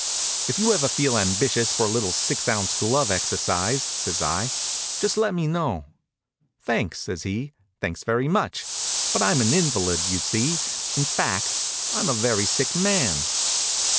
"If you ever feel ambitious for a little six ounce glove exercise," says I, "just let me know." "Thanks," says he, "thanks very much. But I'm an invalid, you see. In fact, I'm a very sick man."